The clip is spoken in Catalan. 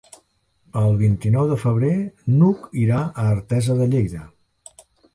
El vint-i-nou de febrer n'Hug irà a Artesa de Lleida.